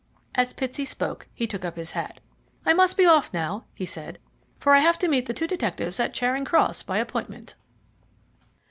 As Pitsey spoke, he took up his hat. "I must be off now," he said, "for I have to meet the two detectives at Charing Cross by appointment."